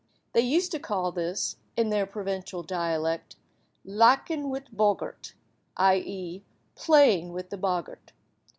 They used to call this, in their provincial dialect, "laking wit boggart," i.e., playing with the boggart.